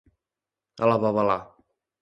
A la babalà.